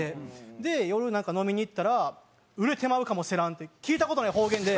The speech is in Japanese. で夜なんか飲みに行ったら「売れてまうかもせらん！！」って聞いた事ない方言で。